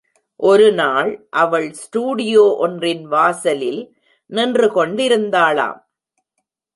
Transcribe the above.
ஒருநாள் அவள் ஸ்டுடியோ ஒன்றின் வாசலில் நின்று கொண்டிருந்தாளாம்.